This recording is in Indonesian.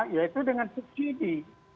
ya itu dengan subsidi